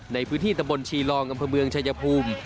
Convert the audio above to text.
ในพื้นที่ตะบนชีรองอำเภอเมืองชายภูมิ